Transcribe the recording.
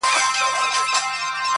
هم خوارځواكى هم په ونه ټيټ گردى وو -